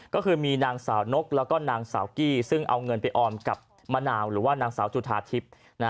ก็คือมีนางสาวนกแล้วก็นางสาวกี้ซึ่งเอาเงินไปออมกับมะนาวหรือว่านางสาวจุธาทิพย์